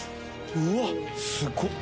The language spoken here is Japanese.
うわっすごっ！